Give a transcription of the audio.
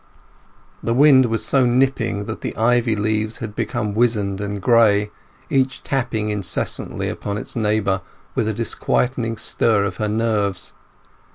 The wind was so nipping that the ivy leaves had become wizened and gray, each tapping incessantly upon its neighbour with a disquieting stir of her nerves.